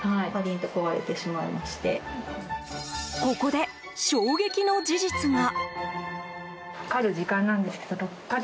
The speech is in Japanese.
ここで衝撃の事実が。